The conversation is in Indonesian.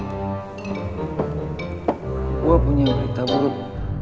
gue punya berita buruk